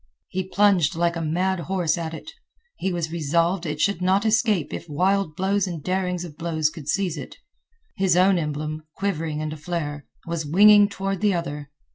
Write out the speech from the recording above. He plunged like a mad horse at it. He was resolved it should not escape if wild blows and darings of blows could seize it. His own emblem, quivering and aflare, was winging toward the other.